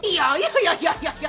いやいやいやいや。